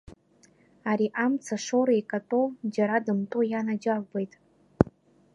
Ари амцашоура икатәоу џьара дымтәо ианаџьалбеит.